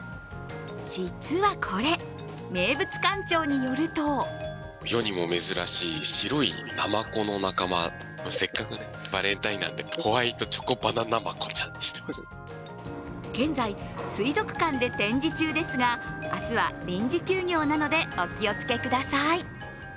実はこれ、名物館長によると現在、水族館で展示中ですが、明日は臨時休業なので、お気を付けください。